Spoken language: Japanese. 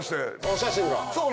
お写真が。